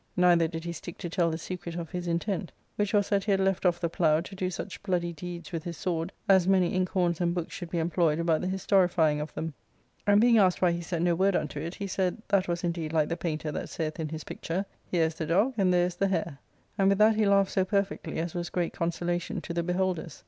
Neither did he stick to tell the secret of his intent, which was that he had left off the plough to do such bloody deeds with his sword as many ink horns and books should be employed about the historifying of them ; and being asked why he set no word unto it, he said that was indeed like the painter that saith in his picture, " Here is the ddg, and there is the hare ;" and with that he laughed so perfectly as was great consolation to the beholders.